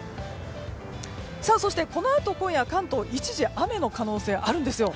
そしてこのあと今夜、関東一時雨の可能性があるんですよ。